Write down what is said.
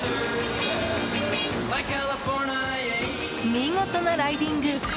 見事なライディング！